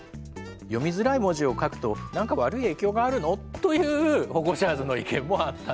「読みづらい文字を書くと何か悪い影響があるの？」というホゴシャーズの意見もあったんですが。